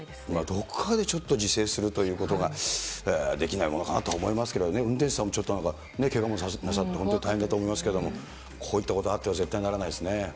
どこかでちょっと自制するということができないものかなと思いますけどね、運転手さんもちょっとけがもなさって、本当に大変だと思いますけれども、こういったことがあっては絶対にならないですね。